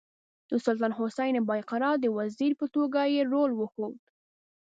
د سلطان حسین بایقرا د وزیر په توګه یې رول وښود.